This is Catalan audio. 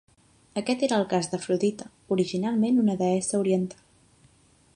Aquest era el cas d'Afrodita, originalment una deessa oriental.